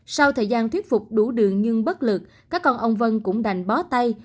sau thời gian thuyết phục đủ đường nhưng bất lực các con ông vân cũng đành bó tay